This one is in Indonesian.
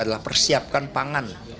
adalah persiapkan pangan